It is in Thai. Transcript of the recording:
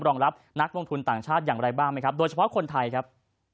รองรับนักลงทุนต่างชาติอย่างไรบ้างไหมครับโดยเฉพาะคนไทยครับ